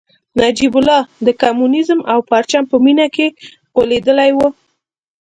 نجیب الله د کمونیزم او پرچم په مینه کې غولېدلی و